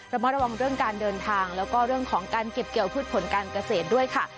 มาระวังเรื่องการเดินทางแล้วก็เรื่องของการเก็บเกี่ยวพืชผลการเกษตรด้วยค่ะ